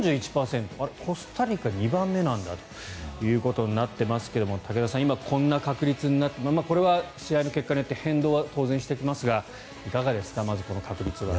あれ、コスタリカ２番目なんだということになっていますが武田さん、今こんな確率にこれは試合の結果によって変動は当然してきますがいかがですか、まずこの確率は。